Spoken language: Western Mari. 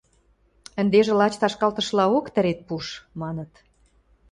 – Ӹндежӹ лач ташкалтышлаок тӹред пуш! – маныт.